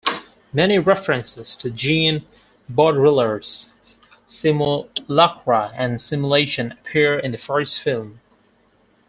Many references to Jean Baudrillard's "Simulacra and Simulation" appear in the first film.